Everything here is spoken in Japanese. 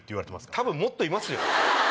多分もっといますよ。